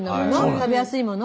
食べやすいもの。